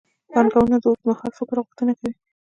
پانګونه د اوږدمهال فکر غوښتنه کوي.